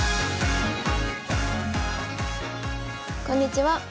こんにちは。